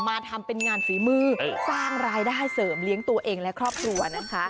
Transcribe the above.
มาทำเป็นงานฝีมือสร้างรายได้เสริมเลี้ยงตัวเองและครอบครัวนะคะ